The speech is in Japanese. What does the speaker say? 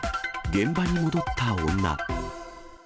現場に戻った女。